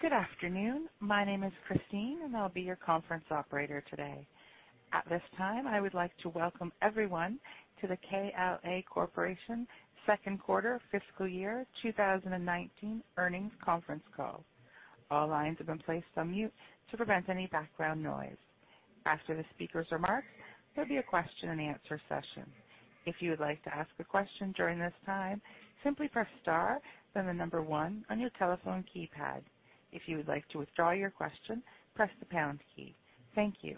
Good afternoon. My name is Christine, and I'll be your conference operator today. At this time, I would like to welcome everyone to the KLA Corporation second quarter fiscal year 2019 earnings conference call. All lines have been placed on mute to prevent any background noise. After the speakers remark, there'll be a question-and-answer session. If you would like to ask a question during this time, simply press star, then the number one on your telephone keypad. If you would like to withdraw your question, press the pound key. Thank you.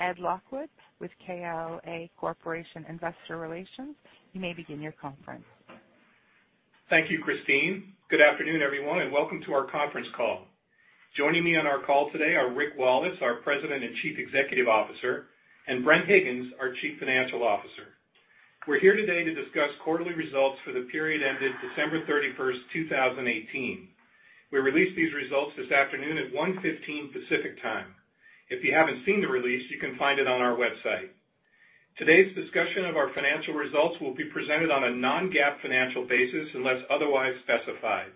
Ed Lockwood with KLA Corporation Investor Relations, you may begin your conference. Thank you, Christine. Good afternoon, everyone, and welcome to our conference call. Joining me on our call today are Rick Wallace, our President and Chief Executive Officer, and Bren Higgins, our Chief Financial Officer. We're here today to discuss quarterly results for the period ended December 31st, 2018. We released these results this afternoon at 1:15 P.M. Pacific Time. If you haven't seen the release, you can find it on our website. Today's discussion of our financial results will be presented on a non-GAAP financial basis unless otherwise specified.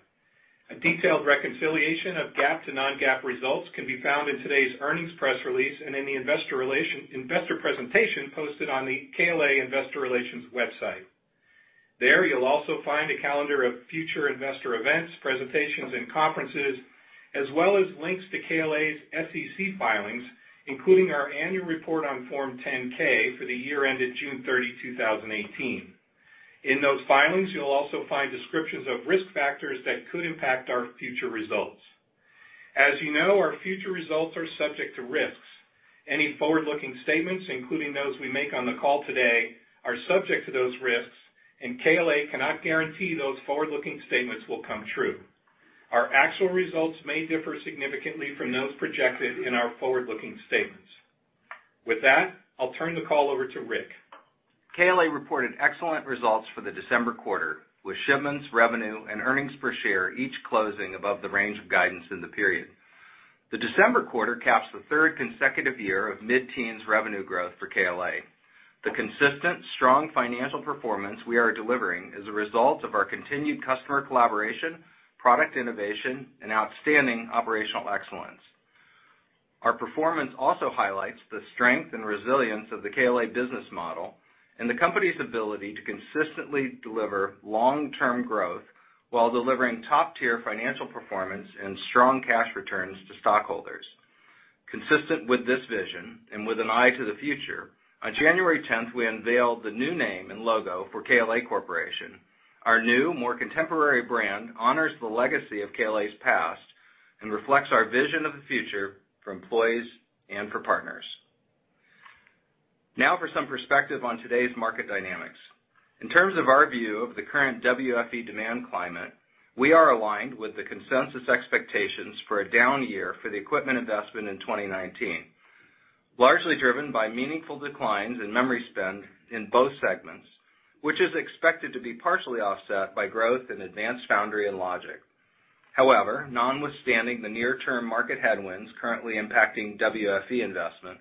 A detailed reconciliation of GAAP to non-GAAP results can be found in today's earnings press release and in the investor presentation posted on the KLA Investor Relations website. There, you'll also find a calendar of future investor events, presentations, and conferences, as well as links to KLA's SEC filings, including our annual report on Form 10-K for the year ended June 30, 2018. In those filings, you'll also find descriptions of risk factors that could impact our future results. As you know, our future results are subject to risks. Any forward-looking statements, including those we make on the call today, are subject to those risks, and KLA cannot guarantee those forward-looking statements will come true. Our actual results may differ significantly from those projected in our forward-looking statements. With that, I'll turn the call over to Rick. KLA reported excellent results for the December quarter, with shipments, revenue, and earnings per share each closing above the range of guidance in the period. The December quarter caps the third consecutive year of mid-teens revenue growth for KLA. The consistent, strong financial performance we are delivering is a result of our continued customer collaboration, product innovation, and outstanding operational excellence. Our performance also highlights the strength and resilience of the KLA business model and the company's ability to consistently deliver long-term growth while delivering top-tier financial performance and strong cash returns to stockholders. Consistent with this vision, and with an eye to the future, on January 10th, we unveiled the new name and logo for KLA Corporation. Our new, more contemporary brand honors the legacy of KLA's past and reflects our vision of the future for employees and for partners. Now for some perspective on today's market dynamics. In terms of our view of the current WFE demand climate, we are aligned with the consensus expectations for a down year for the equipment investment in 2019, largely driven by meaningful declines in memory spend in both segments, which is expected to be partially offset by growth in advanced foundry and logic. However, Notwithstanding the near-term market headwinds currently impacting WFE investment,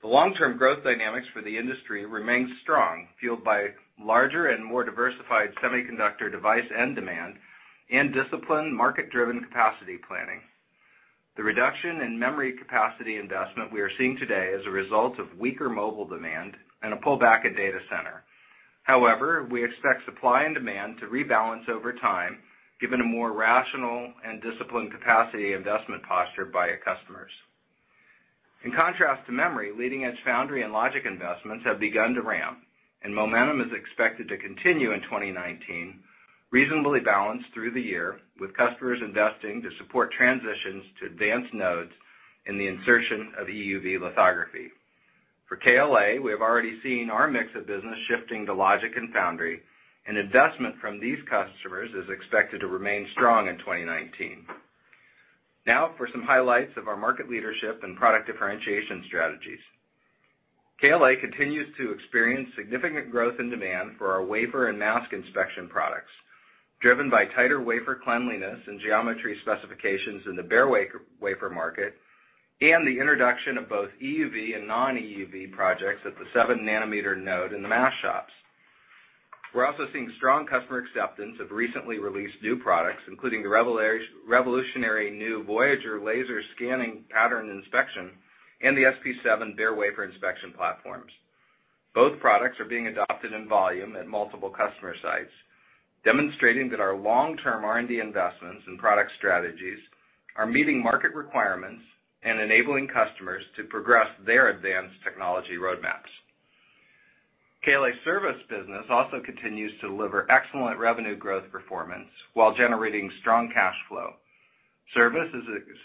the long-term growth dynamics for the industry remain strong, fueled by larger and more diversified semiconductor device end demand and disciplined market-driven capacity planning. The reduction in memory capacity investment we are seeing today is a result of weaker mobile demand and a pullback at data center. We expect supply and demand to rebalance over time, given a more rational and disciplined capacity investment posture by our customers. In contrast to memory, leading-edge foundry and logic investments have begun to ramp, and momentum is expected to continue in 2019, reasonably balanced through the year with customers investing to support transitions to advanced nodes in the insertion of EUV lithography. For KLA, we have already seen our mix of business shifting to logic and foundry, and investment from these customers is expected to remain strong in 2019. Now for some highlights of our market leadership and product differentiation strategies. KLA continues to experience significant growth in demand for our wafer and mask inspection products, driven by tighter wafer cleanliness and geometry specifications in the bare wafer market and the introduction of both EUV and non-EUV projects at the 7 nm node in the mask shops. We're also seeing strong customer acceptance of recently released new products, including the revolutionary new Voyager laser scanning pattern inspection and the SP7 bare wafer inspection platforms. Both products are being adopted in volume at multiple customer sites, demonstrating that our long-term R&D investments and product strategies are meeting market requirements and enabling customers to progress their advanced technology roadmaps. KLA service business also continues to deliver excellent revenue growth performance while generating strong cash flow. Service is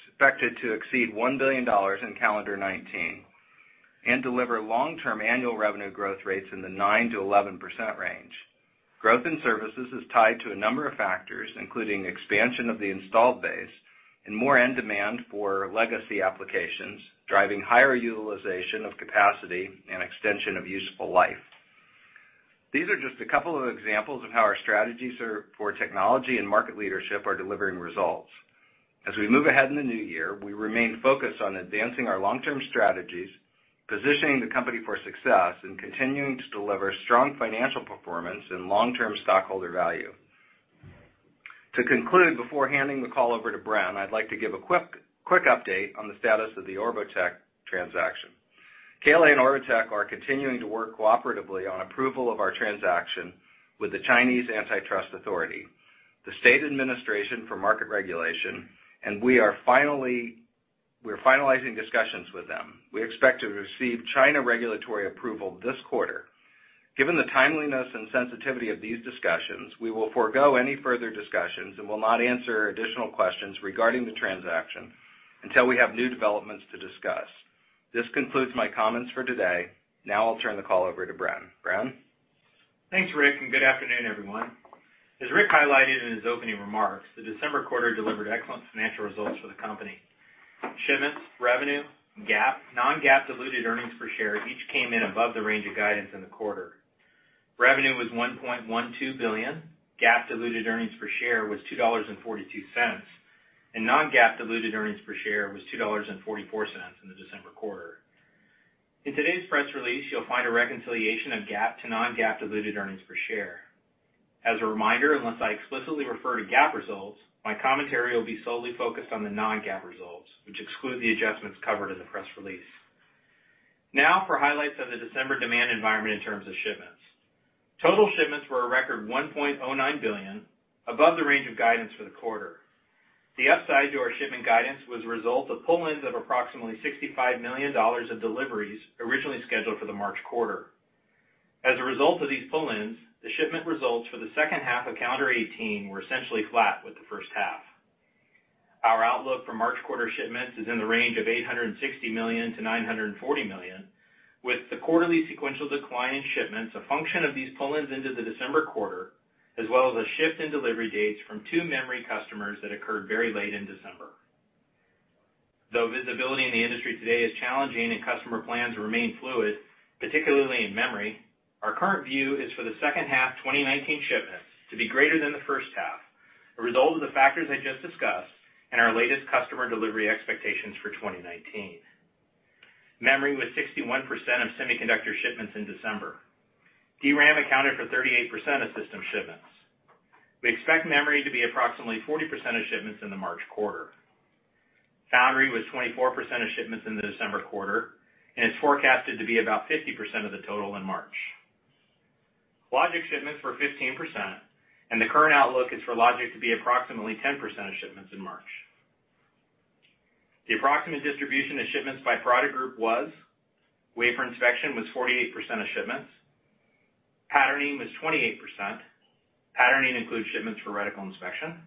expected to exceed $1 billion in calendar 2019, and deliver long-term annual revenue growth rates in the 9%-11% range. Growth in services is tied to a number of factors, including expansion of the installed base and more end demand for legacy applications, driving higher utilization of capacity and extension of useful life. These are just a couple of examples of how our strategies for technology and market leadership are delivering results. As we move ahead in the new year, we remain focused on advancing our long-term strategies, positioning the company for success, and continuing to deliver strong financial performance and long-term stockholder value. To conclude, before handing the call over to Bren, I'd like to give a quick update on the status of the Orbotech transaction. KLA and Orbotech are continuing to work cooperatively on approval of our transaction with the Chinese antitrust authority, the State Administration for Market Regulation, and we are finalizing discussions with them. We expect to receive China regulatory approval this quarter. Given the timeliness and sensitivity of these discussions, we will forego any further discussions and will not answer additional questions regarding the transaction until we have new developments to discuss. This concludes my comments for today. Now I'll turn the call over to Bren. Bren? Thanks, Rick. Good afternoon, everyone. As Rick highlighted in his opening remarks, the December quarter delivered excellent financial results for the company. Shipments, revenue, GAAP, non-GAAP diluted earnings per share each came in above the range of guidance in the quarter. Revenue was $1.12 billion. GAAP diluted earnings per share was $2.42, and non-GAAP diluted earnings per share was $2.44 in the December quarter. In today's press release, you'll find a reconciliation of GAAP to non-GAAP diluted earnings per share. As a reminder, unless I explicitly refer to GAAP results, my commentary will be solely focused on the non-GAAP results, which exclude the adjustments covered in the press release. Now for highlights of the December demand environment in terms of shipments. Total shipments were a record $1.09 billion, above the range of guidance for the quarter. The upside to our shipment guidance was a result of pull-ins of approximately $65 million of deliveries originally scheduled for the March quarter. As a result of these pull-ins, the shipment results for the second half of calendar 2018 were essentially flat with the first half. Our outlook for March quarter shipments is in the range of $860 million-$940 million, with the quarterly sequential decline in shipments a function of these pull-ins into the December quarter, as well as a shift in delivery dates from two memory customers that occurred very late in December. Though visibility in the industry today is challenging and customer plans remain fluid, particularly in memory, our current view is for the second half 2019 shipments to be greater than the first half, a result of the factors I just discussed and our latest customer delivery expectations for 2019. Memory was 61% of semiconductor shipments in December. DRAM accounted for 38% of system shipments. We expect memory to be approximately 40% of shipments in the March quarter. Foundry was 24% of shipments in the December quarter and is forecasted to be about 50% of the total in March. Logic shipments were 15%. The current outlook is for logic to be approximately 10% of shipments in March. The approximate distribution of shipments by product group was: wafer inspection was 48% of shipments, patterning was 28%, patterning includes shipments for reticle inspection,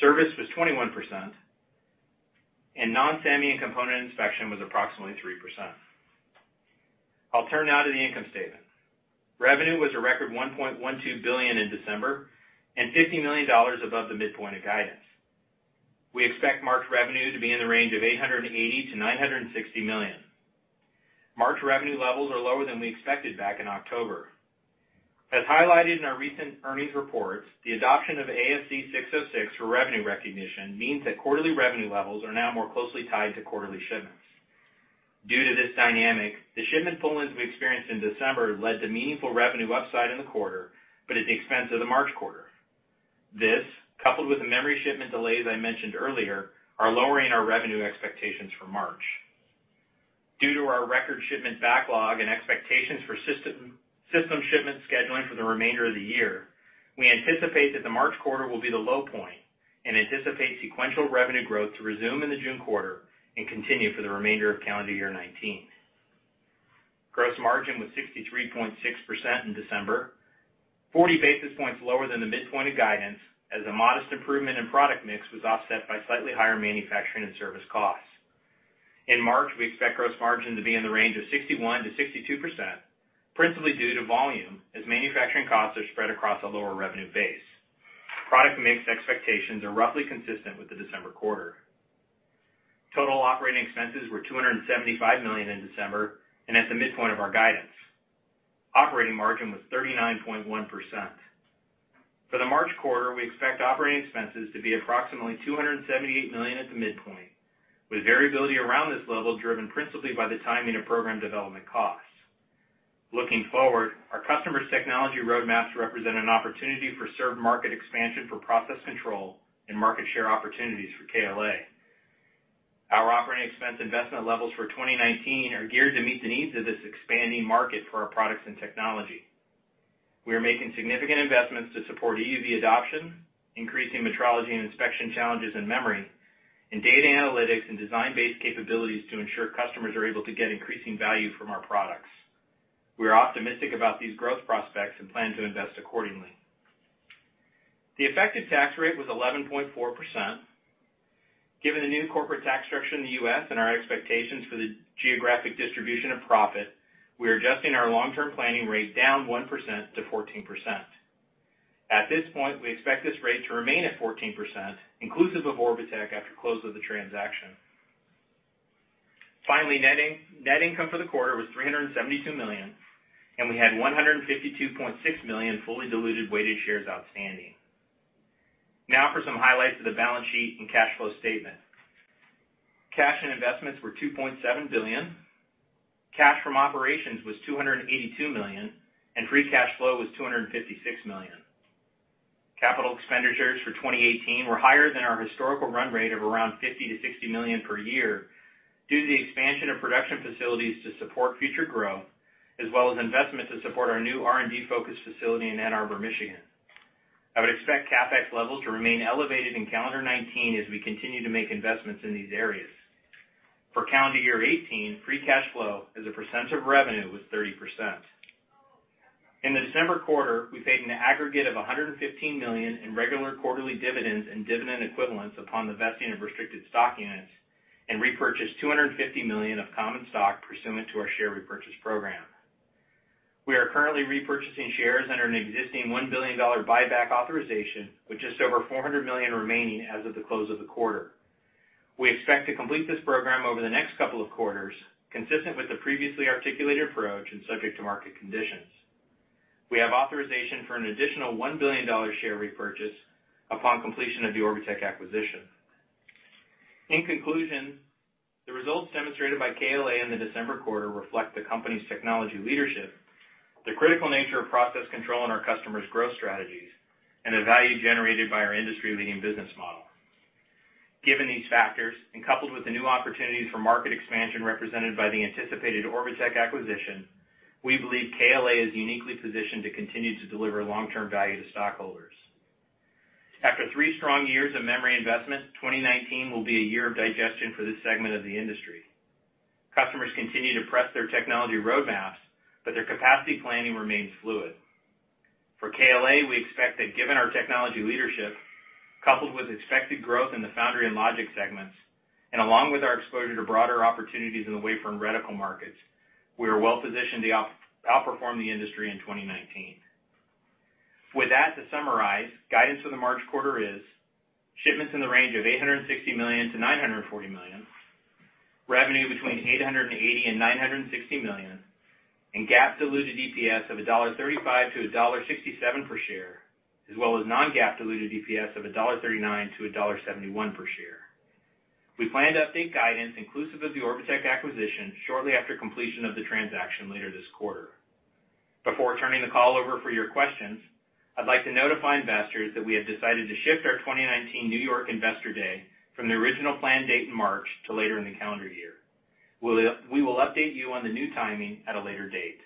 service was 21%, and non-semi and component inspection was approximately 3%. I'll turn now to the income statement. Revenue was a record $1.12 billion in December and $50 million above the midpoint of guidance. We expect March revenue to be in the range of $880 million-$960 million. March revenue levels are lower than we expected back in October. As highlighted in our recent earnings reports, the adoption of ASC 606 for revenue recognition means that quarterly revenue levels are now more closely tied to quarterly shipments. Due to this dynamic, the shipment pull-ins we experienced in December led to meaningful revenue upside in the quarter, but at the expense of the March quarter. This, coupled with the memory shipment delays I mentioned earlier, are lowering our revenue expectations for March. Due to our record shipment backlog and expectations for system shipment scheduling for the remainder of the year, we anticipate that the March quarter will be the low point and anticipate sequential revenue growth to resume in the June quarter and continue for the remainder of calendar year 2019. Gross margin was 63.6% in December, 40 basis points lower than the midpoint of guidance, as a modest improvement in product mix was offset by slightly higher manufacturing and service costs. In March, we expect gross margin to be in the range of 61%-62%, principally due to volume, as manufacturing costs are spread across a lower revenue base. Product mix expectations are roughly consistent with the December quarter. Total operating expenses were $275 million in December and at the midpoint of our guidance. Operating margin was 39.1%. For the March quarter, we expect operating expenses to be approximately $278 million at the midpoint, with variability around this level driven principally by the timing of program development costs. Looking forward, our customers' technology roadmaps represent an opportunity for served market expansion for process control and market share opportunities for KLA. Our operating expense investment levels for 2019 are geared to meet the needs of this expanding market for our products and technology. We are making significant investments to support EUV adoption, increasing metrology and inspection challenges in memory, and data analytics and design-based capabilities to ensure customers are able to get increasing value from our products. We are optimistic about these growth prospects and plan to invest accordingly. The effective tax rate was 11.4%. Given the new corporate tax structure in the U.S. and our expectations for the geographic distribution of profit, we are adjusting our long-term planning rate down 1% to 14%. At this point, we expect this rate to remain at 14%, inclusive of Orbotech after close of the transaction. Finally, net income for the quarter was $372 million, and we had 152.6 million fully diluted weighted shares outstanding. Now for some highlights of the balance sheet and cash flow statement. Cash and investments were $2.7 billion, cash from operations was $282 million, and free cash flow was $256 million. Capital expenditures for 2018 were higher than our historical run rate of around $50 million-$60 million per year due to the expansion of production facilities to support future growth, as well as investment to support our new R&D-focused facility in Ann Arbor, Michigan. I would expect CapEx levels to remain elevated in calendar 2019 as we continue to make investments in these areas. For calendar year 2018, free cash flow as a percent of revenue was 30%. In the December quarter, we paid an aggregate of $115 million in regular quarterly dividends and dividend equivalents upon the vesting of restricted stock units and repurchased $250 million of common stock pursuant to our share repurchase program. We are currently repurchasing shares under an existing $1 billion buyback authorization, with just over $400 million remaining as of the close of the quarter. We expect to complete this program over the next couple of quarters, consistent with the previously articulated approach and subject to market conditions. We have authorization for an additional $1 billion share repurchase upon completion of the Orbotech acquisition. In conclusion, the results demonstrated by KLA in the December quarter reflect the company's technology leadership, the critical nature of process control in our customers' growth strategies, and the value generated by our industry-leading business model. Given these factors, and coupled with the new opportunities for market expansion represented by the anticipated Orbotech acquisition, we believe KLA is uniquely positioned to continue to deliver long-term value to stockholders. After three strong years of memory investment, 2019 will be a year of digestion for this segment of the industry. Customers continue to press their technology road maps, but their capacity planning remains fluid. For KLA, we expect that given our technology leadership, coupled with expected growth in the foundry and logic segments, and along with our exposure to broader opportunities in the wafer and reticle markets, we are well positioned to outperform the industry in 2019. With that, to summarize, guidance for the March quarter is shipments in the range of $860 million-$940 million, revenue between $880 million and $960 million, and GAAP diluted EPS of $1.35-$1.67 per share, as well as non-GAAP diluted EPS of $1.39-$1.71 per share. We plan to update guidance inclusive of the Orbotech acquisition shortly after completion of the transaction later this quarter. Before turning the call over for your questions, I'd like to notify investors that we have decided to shift our 2019 New York Investor Day from the original planned date in March to later in the calendar year. We will update you on the new timing at a later date.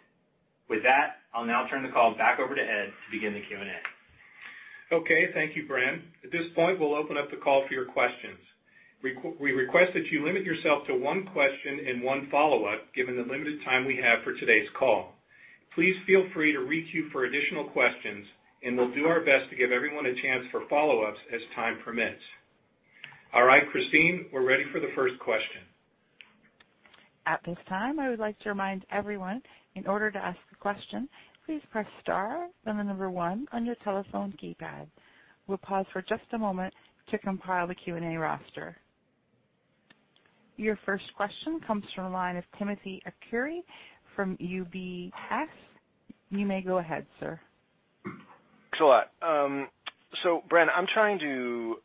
I'll now turn the call back over to Ed to begin the Q&A. Okay. Thank you, Bren. At this point, we'll open up the call for your questions. We request that you limit yourself to one question and one follow-up, given the limited time we have for today's call. Please feel free to re-queue for additional questions, and we'll do our best to give everyone a chance for follow-ups as time permits. Alright Christine, we're ready for the first question. At this time, I would like to remind everyone, in order to ask a question, please press star, then number one on your telephone keypad. We will pause for just a moment to compile the Q&A roster. Your first question comes from the line of Timothy Arcuri from UBS. You may go ahead, sir. Thanks a lot. Bren, I am trying to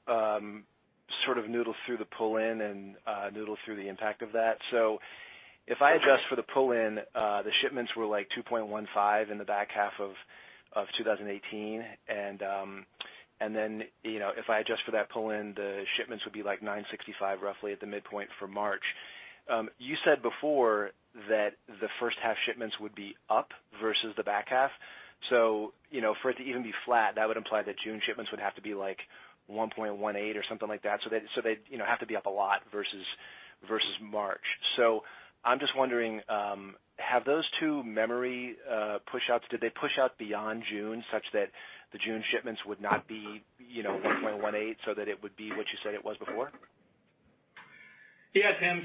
sort of noodle through the pull-in and noodle through the impact of that. If I adjust for the pull-in, the shipments were like $2.15 billion in the back half of 2018. Then, if I adjust for that pull-in, the shipments would be like $965 million roughly at the midpoint for March. You said before that the first half shipments would be up versus the back half. For it to even be flat, that would imply that June shipments would have to be like $1.18 billion or something like that, so they would have to be up a lot versus March. I am just wondering, have those two memory push-outs, did they push out beyond June such that the June shipments would not be $1.18 billion so that it would be what you said it was before? Tim.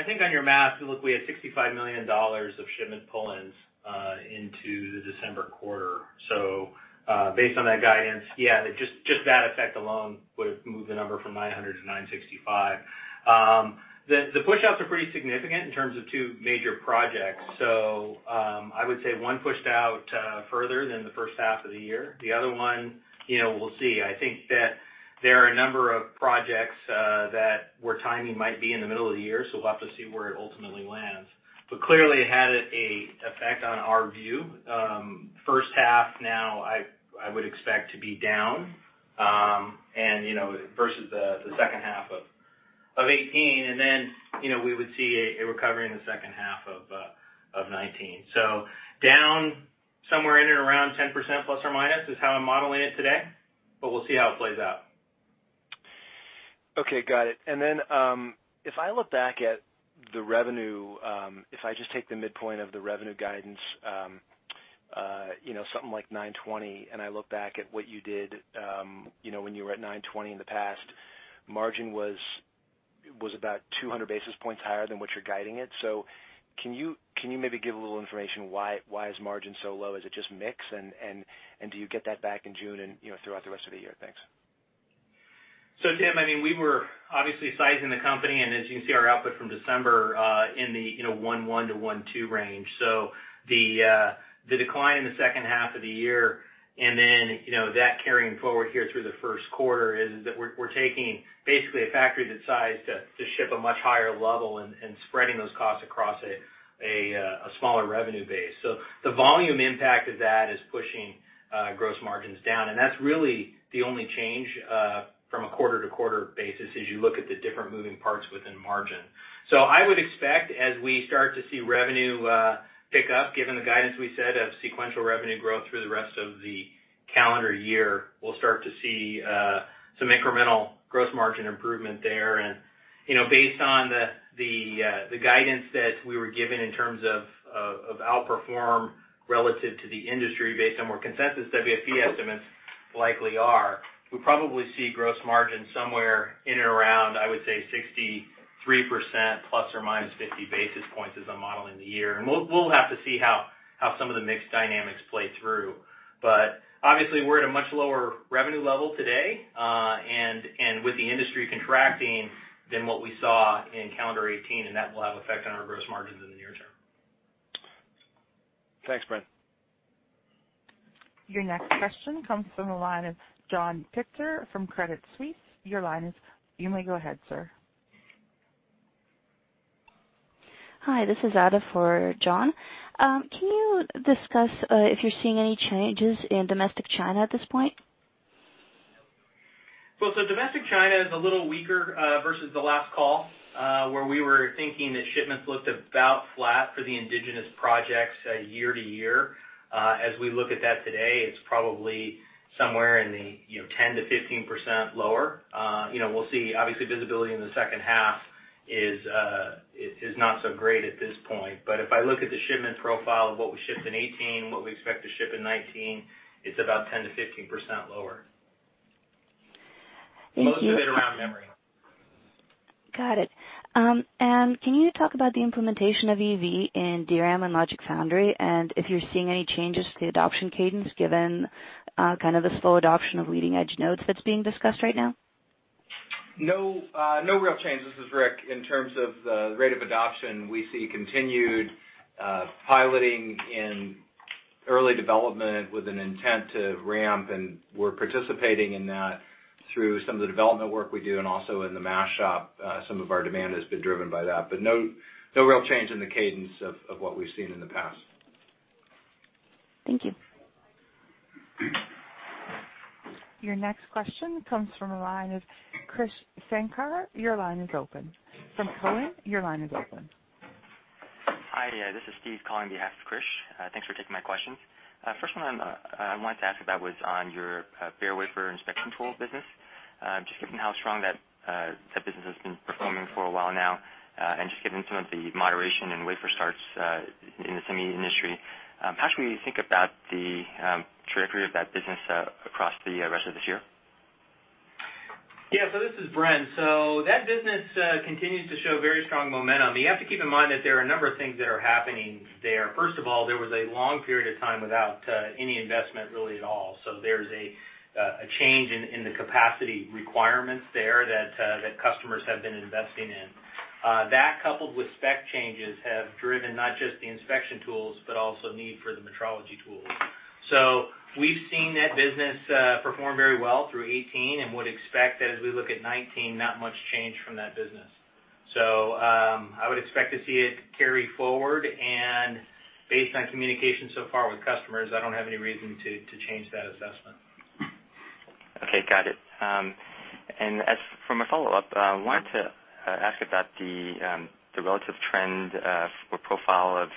I think on your math, look, we had $65 million of shipment pull-ins into the December quarter. Based on that guidance, just that effect alone would have moved the number from $900 million to $965 million. The push-outs are pretty significant in terms of two major projects. I would say one pushed out further than the first half of the year. The other one, we will see. I think that there are a number of projects that where timing might be in the middle of the year, so we will have to see where it ultimately lands. Clearly, it had an effect on our view. First half now I would expect to be down, versus the second half of 2018, then, we would see a recovery in the second half of 2019. Down somewhere in and around 10%± is how I am modeling it today, we will see how it plays out. Okay. Got it. If I look back at the revenue, if I just take the midpoint of the revenue guidance, something like $920 million, I look back at what you did when you were at $920 million in the past, margin was about 200 basis points higher than what you're guiding it. Can you maybe give a little information why is margin so low? Is it just mix, and do you get that back in June and throughout the rest of the year? Thanks. Tim, we were obviously sizing the company, as you can see our output from December, in the $1.1 billion-$1.2 billion range. The decline in the second half of the year, then that carrying forward here through the first quarter is that we're taking basically a factory that's sized to ship a much higher level and spreading those costs across a smaller revenue base. The volume impact of that is pushing gross margins down. That's really the only change from a quarter-to-quarter basis, as you look at the different moving parts within margin. I would expect as we start to see revenue pick up, given the guidance we set of sequential revenue growth through the rest of the calendar year, we'll start to see some incremental gross margin improvement there. Based on the guidance that we were given in terms of outperform relative to the industry based on where consensus WFE estimates likely are, we probably see gross margin somewhere in and around, I would say, 63%, ±50 basis points as I model in the year. We'll have to see how some of the mix dynamics play through. Obviously, we're at a much lower revenue level today, and with the industry contracting than what we saw in calendar 2018, and that will have effect on our gross margins in the near term. Thanks, Bren. Your next question comes from the line of John Pitzer from Credit Suisse. You may go ahead, sir. Hi, this is Ada for John. Can you discuss if you're seeing any changes in domestic China at this point? Well, domestic China is a little weaker, versus the last call, where we were thinking that shipments looked about flat for the indigenous projects year-to-year. As we look at that today, it's probably somewhere in the 10%-15% lower. We'll see. Obviously, visibility in the second half is not so great at this point. If I look at the shipment profile of what we shipped in 2018, what we expect to ship in 2019, it's about 10%-15% lower. Thank you. Most of it around memory. Got it. Can you talk about the implementation of EUV in DRAM and logic/foundry, and if you're seeing any changes to the adoption cadence, given kind of the slow adoption of leading-edge nodes that's being discussed right now? No real changes. This is Rick. In terms of the rate of adoption, we see continued piloting in early development with an intent to ramp, we're participating in that through some of the development work we do, also in the mask shop. Some of our demand has been driven by that. No real change in the cadence of what we've seen in the past. Thank you. Your next question comes from the line of Krish Sankar. Your line is open. From Cowen, your line is open. Hi, this is Steve calling behalf of Krish. Thanks for taking my questions. First one I wanted to ask about was on your bare wafer inspection tools business. Just given how strong that business has been performing for a while now, and just given some of the moderation in wafer starts in the semi industry, how should we think about the trajectory of that business across the rest of this year? Yeah. This is Bren. That business continues to show very strong momentum. You have to keep in mind that there are a number of things that are happening there. First of all, there was a long period of time without any investment, really at all. There's a change in the capacity requirements there that customers have been investing in. That, coupled with spec changes, have driven not just the inspection tools, but also need for the metrology tools. We've seen that business perform very well through 2018 and would expect that as we look at 2019, not much change from that business. I would expect to see it carry forward, and based on communication so far with customers, I don't have any reason to change that assessment. Okay, got it. As for my follow-up, I wanted to ask about the relative trend, or profile of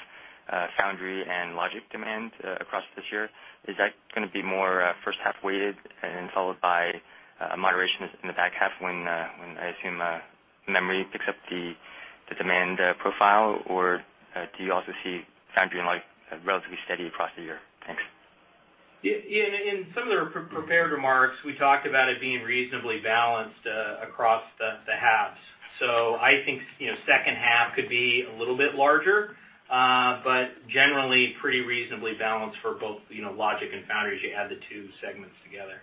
foundry and logic demand across this year. Is that going to be more first-half weighted and then followed by moderation in the back half when I assume memory picks up the demand profile, or do you also see foundry and logic relatively steady across the year? Thanks. In some of the prepared remarks, we talked about it being reasonably balanced across the halves. I think second half could be a little bit larger, but generally pretty reasonably balanced for both logic and foundries, you add the two segments together.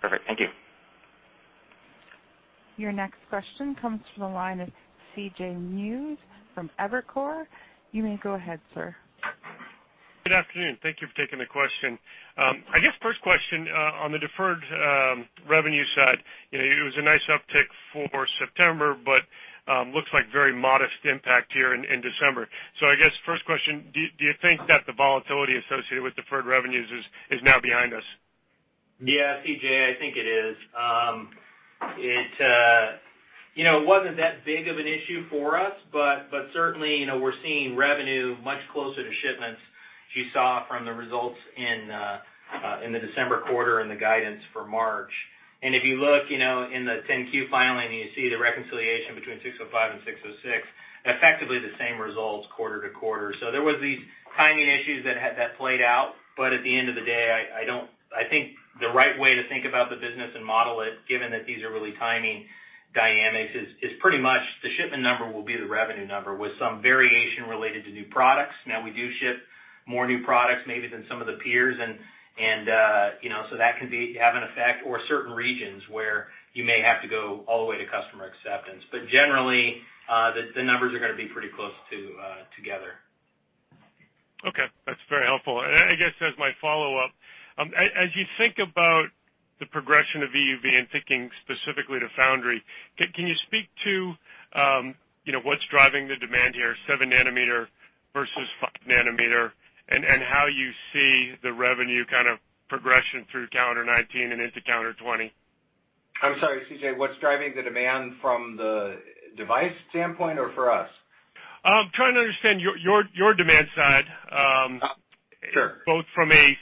Perfect. Thank you. Your next question comes from the line of C.J. Muse from Evercore. You may go ahead, sir. Good afternoon. Thank you for taking the question. I guess first question, on the deferred revenue side, it was a nice uptick for September, but looks like very modest impact here in December. I guess first question, do you think that the volatility associated with deferred revenues is now behind us? Yeah, C.J., I think it is. It wasn't that big of an issue for us, but certainly, we're seeing revenue much closer to shipments as you saw from the results in the December quarter and the guidance for March. If you look in the Form 10-Q filing, and you see the reconciliation between 605 and 606, effectively the same results quarter-to-quarter. There was these timing issues that played out, but at the end of the day, I think the right way to think about the business and model it, given that these are really timing dynamics is pretty much the shipment number will be the revenue number with some variation related to new products. Now we do ship more new products maybe than some of the peers, so that can have an effect, or certain regions where you may have to go all the way to customer acceptance. Generally, the numbers are going to be pretty close together. Okay. That's very helpful. I guess as my follow-up, as you think about the progression of EUV and thinking specifically to foundry, can you speak to what's driving the demand here, 7 nm versus 5 nm, and how you see the revenue kind of progression through calendar 2019 and into calendar 2020? I'm sorry, C.J., what's driving the demand from the device standpoint or for us? I'm trying to understand your demand side- Sure ...both from a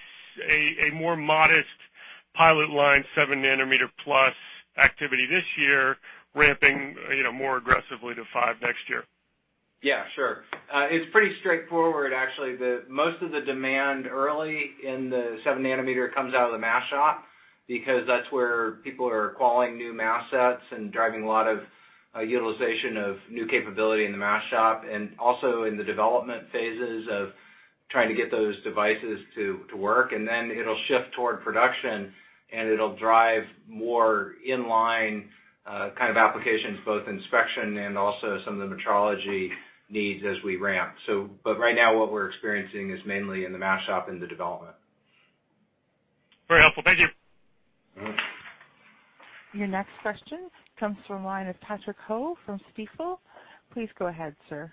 more modest pilot line 7 nm plus activity this year, ramping more aggressively to 5 nm next year. Yeah, sure. It's pretty straightforward, actually. Most of the demand early in the 7 nm comes out of the mask shop, because that's where people are qualing new mask sets and driving a lot of utilization of new capability in the mask shop, and also in the development phases of trying to get those devices to work. Then it'll shift toward production, and it'll drive more inline kind of applications, both inspection and also some of the metrology needs as we ramp. Right now what we're experiencing is mainly in the mask shop in the development. Very helpful. Thank you. Your next question comes from the line of Patrick Ho from Stifel. Please go ahead, sir.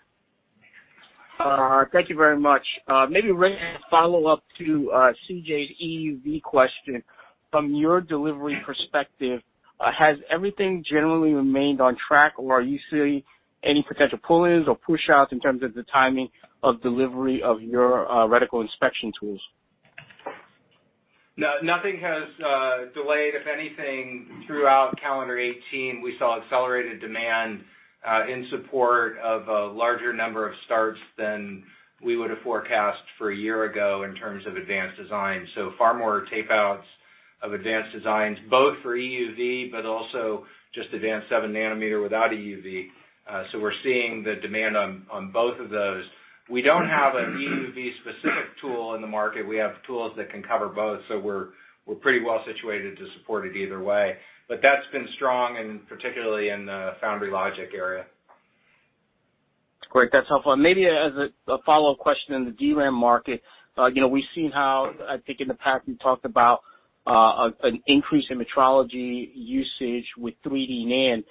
Thank you very much. Maybe, Rick, a follow-up to C.J.'s EUV question. From your delivery perspective, has everything generally remained on track, or are you seeing any potential pull-ins or push-outs in terms of the timing of delivery of your reticle inspection tools? Nothing has delayed. If anything, throughout calendar 2018, we saw accelerated demand in support of a larger number of starts than we would have forecast for a year ago in terms of advanced design. Far more tape outs of advanced designs, both for EUV, but also just advanced 7 nm without EUV. We're seeing the demand on both of those. We don't have an EUV specific tool in the market. We have tools that can cover both, so we're pretty well situated to support it either way. That's been strong, and particularly in the foundry/logic area. Great. That's helpful. Maybe as a follow-up question in the DRAM market. We've seen how, I think in the past, we talked about an increase in metrology usage with 3D NAND.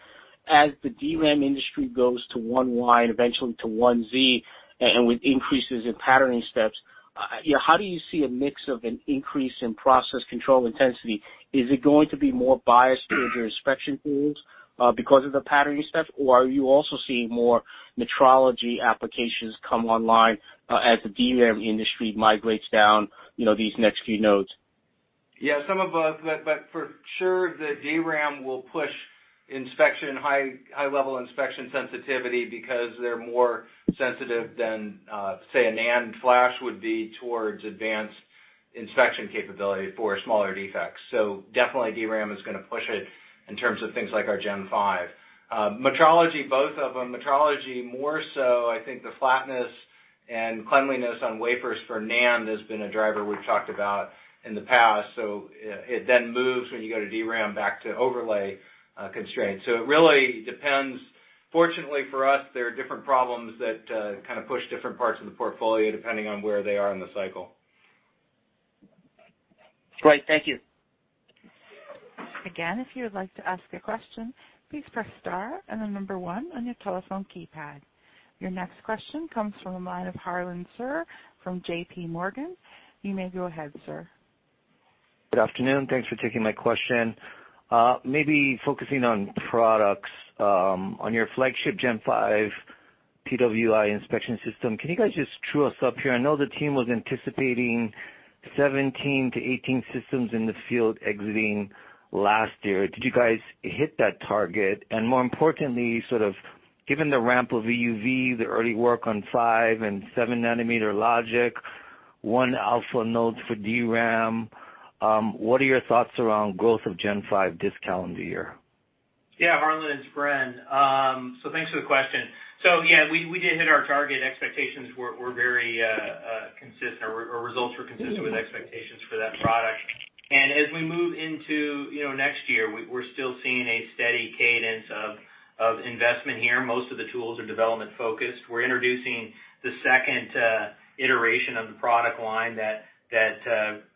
As the DRAM industry goes to 1Y and eventually to 1Z, and with increases in patterning steps, how do you see a mix of an increase in process control intensity? Is it going to be more biased toward your inspection tools because of the patterning steps, or are you also seeing more metrology applications come online as the DRAM industry migrates down these next few nodes? Some of both, for sure the DRAM will push inspection, high level inspection sensitivity, because they're more sensitive than, say, a NAND flash would be towards advanced inspection capability for smaller defects. Definitely DRAM is going to push it in terms of things like our Gen5. Metrology, both of them. Metrology more so, I think the flatness and cleanliness on wafers for NAND has been a driver we've talked about in the past. It then moves when you go to DRAM back to overlay constraints. It really depends. Fortunately for us, there are different problems that kind of push different parts of the portfolio depending on where they are in the cycle. Great. Thank you. Again, if you would like to ask a question, please press star and then number one on your telephone keypad. Your next question comes from the line of Harlan Sur from JPMorgan. You may go ahead, sir. Good afternoon. Thanks for taking my question. Maybe focusing on products. On your flagship Gen5 PWI inspection system, can you guys just true us up here? I know the team was anticipating 17-18 systems in the field exiting last year. Did you guys hit that target? More importantly, sort of given the ramp of EUV, the early work on 5 nm and 7 nm logic, 1-alpha node for DRAM, what are your thoughts around growth of Gen5 this calendar year? Harlan, it's Bren. Thanks for the question. Yeah, we did hit our target. Our results were consistent with expectations for that product. As we move into next year, we're still seeing a steady cadence of investment here. Most of the tools are development focused. We're introducing the second iteration of the product line that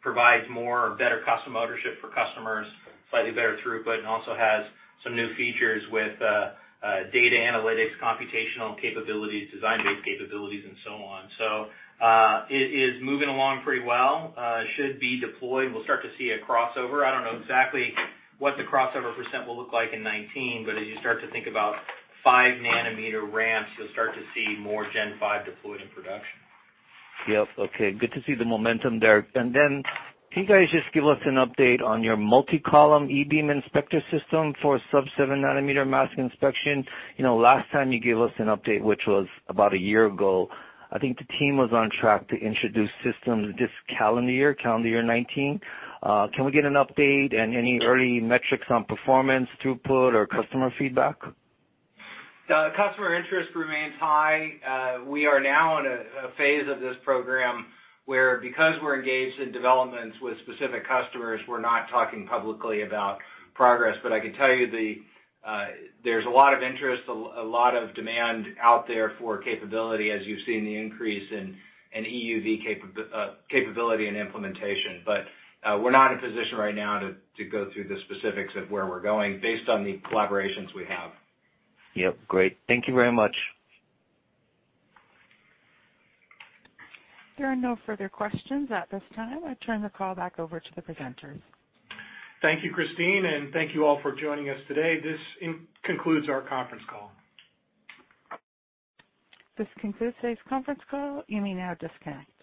provides more or better custom ownership for customers, slightly better throughput, and also has some new features with data analytics, computational capabilities, design-based capabilities, and so on. It is moving along pretty well. Should be deployed. We'll start to see a crossover. I don't know exactly what the crossover percent will look like in 2019, but as you start to think about 5 nm ramps, you'll start to see more Gen5 deployed in production. Yep. Okay. Good to see the momentum there. Then can you guys just give us an update on your multi-column e-beam inspection system for sub-7 nm mask inspection? Last time you gave us an update, which was about a year ago, I think the team was on track to introduce systems this calendar year 2019. Can we get an update and any early metrics on performance throughput or customer feedback? Customer interest remains high. We are now in a phase of this program where, because we're engaged in developments with specific customers, we're not talking publicly about progress. I can tell you there's a lot of interest, a lot of demand out there for capability, as you've seen the increase in EUV capability and implementation. We're not in a position right now to go through the specifics of where we're going based on the collaborations we have. Yep. Great. Thank you very much. There are no further questions at this time. I turn the call back over to the presenters. Thank you, Christine, and thank you all for joining us today. This concludes our conference call. This concludes today's conference call. You may now disconnect.